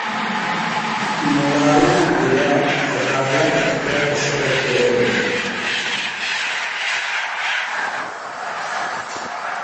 مُولان٘لاں کِریا اَقالہ اِختیار شرط کریل ہو۔